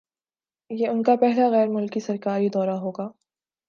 یہ ان کا پہلا غیرملکی سرکاری دورہ ہوگا